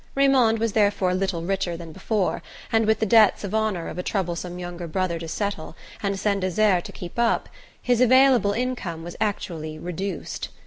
Raymond was therefore little richer than before, and with the debts of honour of a troublesome younger brother to settle, and Saint Desert to keep up, his available income was actually reduced.